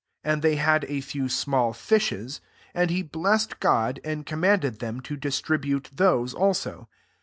7 And they hadij few small fishes ; and he bU Go</,and commanded them todiii tribute [those also.